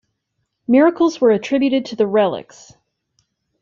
Miracles were attributed to the relics.